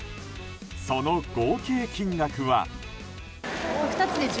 その合計金額は。